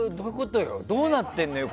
どうなってんのよ。